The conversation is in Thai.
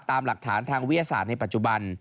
ตามหลักฐานทางวิทยาศาสตร์ในปัจจุบัน